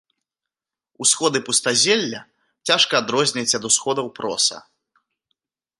Усходы пустазелля цяжка адрозніць ад усходаў проса.